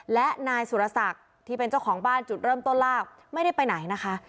และนายสุรศักดิ์ที่เป็นเจ้าของบ้านจุดเริ่มต้นลากไม่ได้ไปไหนนะคะ